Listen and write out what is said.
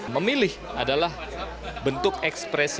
memilih adalah bentuk ekspresi